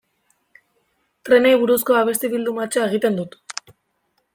Trenei buruzko abesti bildumatxoa egiten dut.